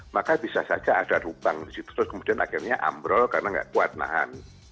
maka bisa saja ada lubang di situ terus kemudian akhirnya ambrol karena nggak kuat nahan